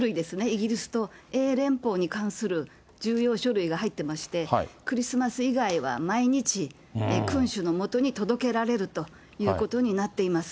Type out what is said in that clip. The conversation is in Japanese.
イギリスと英連邦に関する重要書類が入ってまして、クリスマス以外は毎日、君主のもとに届けられるということになっています。